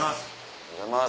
おはようございます。